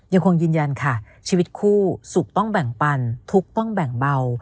ยังคงยืนยันค่ะชีวิตคู่สุขต้องแบ่งปันทุกข์ต้องแบ่งเบา